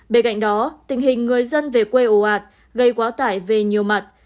bên cạnh đó tình hình người dân về quê ồ ạt gây quá tải về nhiều mặt